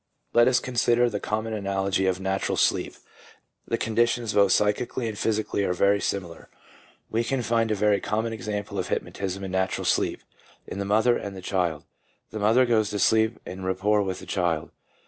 Let us consider the common analogy of natural sleep. The conditions both psychically and physi cally are very similar. We can find a very common example of hypnotism in natural sleep, in the mother and the child. The mother goes to sleep en rapport with the child.